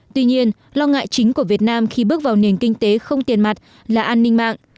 tuy nhiên lo ngại chính của việt nam khi bước vào nền kinh tế không tiền mặt là an ninh mạng